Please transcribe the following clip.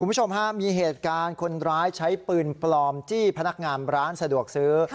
คุณผู้ชมฮะมีเหตุการณ์คนร้ายใช้ปืนปลอมจี้พนักงานร้านสะดวกซื้อ